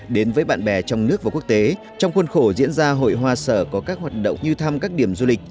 đến với bạn bè trong nước và quốc tế trong khuôn khổ diễn ra hội hoa sở có các hoạt động như thăm các điểm du lịch